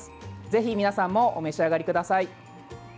ぜひ、皆さんもお召し上がりください。